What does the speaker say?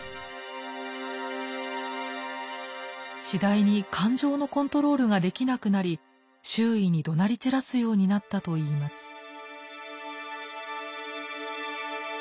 次第に感情のコントロールができなくなり周囲にどなり散らすようになったといいます。